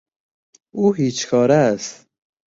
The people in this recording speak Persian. او هیچ کاره است.